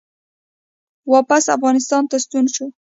واپس افغانستان ته ستون شو